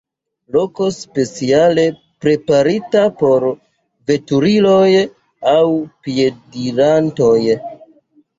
Loko speciale preparita por veturiloj aŭ piedirantoj.